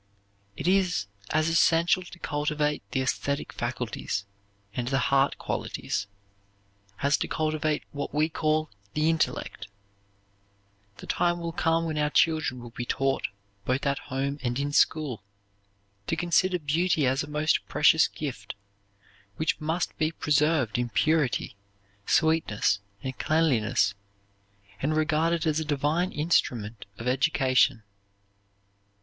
It is as essential to cultivate the esthetic faculties and the heart qualities as to cultivate what we call the intellect. The time will come when our children will be taught, both at home and in school, to consider beauty as a most precious gift, which must be preserved in purity, sweetness, and cleanliness, and regarded as a divine instrument of education.